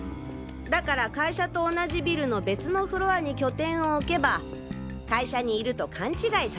だから会社と同じビルの別のフロアに拠点を置けば会社にいると勘違いさせられる。